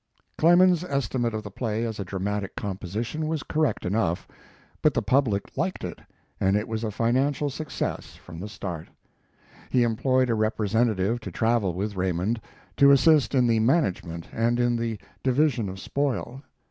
Clemens's estimate of the play as a dramatic composition was correct enough, but the public liked it, and it was a financial success from the start. He employed a representative to travel with Raymond, to assist in the management and in the division of spoil.